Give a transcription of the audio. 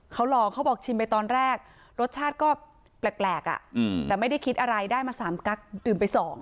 เขาลองเขาบอกชิมไปตอนแรกรสชาติก็แปลกแต่ไม่ได้คิดอะไรได้มา๓กั๊กดื่มไป๒